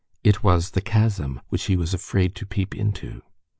It was the chasm which he was afraid to peep into.